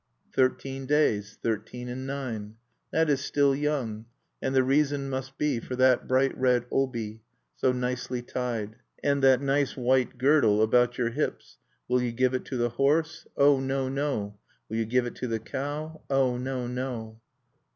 "Thirteen days, Thirteen and nine." That is still young, And the reason must be For that bright red obi, So nicely tied(2), And that nice white girdle About your hips. Will you give it to the horse? "Oh, no, no!" Will you give it to the cow? "Oh, no, no!